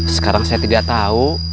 sekarang saya tidak tahu